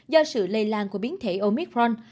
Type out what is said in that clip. do sự lây lan của biến thể omicron